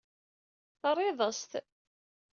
Terriḍ-as-t.